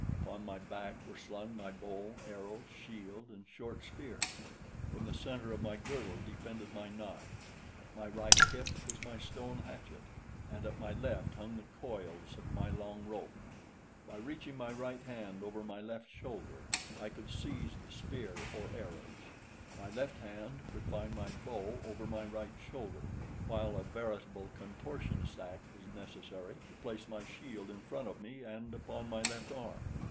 Upon my back were slung my bow, arrows, shield, and short spear; from the center of my girdle depended my knife; at my right hip was my stone hatchet; and at my left hung the coils of my long rope. By reaching my right hand over my left shoulder, I could seize the spear or arrows; my left hand could find my bow over my right shoulder, while a veritable contortionist act was necessary to place my shield in front of me and upon my left arm.